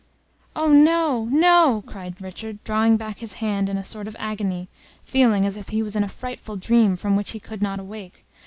"Oh, no, no!" cried Richard, drawing back his hand in a sort of agony, feeling as if he was in a frightful dream from which he could not awake.